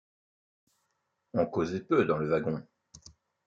On causait peu dans le wagon.